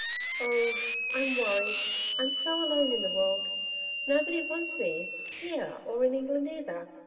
'Oh! I'm worried. I'm so alone in the world. Nobody wants me here or in England either.